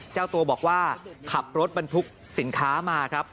เจ้าตัวบอกว่าขับรถบรรทุกสินค้ามาครับ